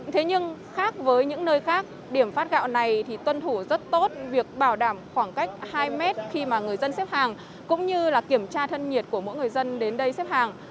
thế nhưng khác với những nơi khác điểm phát gạo này thì tuân thủ rất tốt việc bảo đảm khoảng cách hai mét khi mà người dân xếp hàng cũng như kiểm tra thân nhiệt của mỗi người dân đến đây xếp hàng